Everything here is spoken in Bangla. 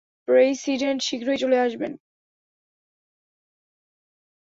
প্রেসিডেন্ট শীঘ্রই চলে আসবেন।